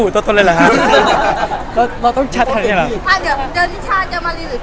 พี่เห็นไอ้เทรดเลิศเราทำไมวะไม่ลืมแล้ว